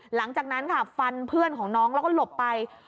หลังจากนั้นค่ะฟันเพื่อนของน้องแล้วก็หลบไป